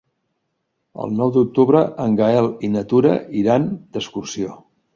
El nou d'octubre en Gaël i na Tura iran d'excursió.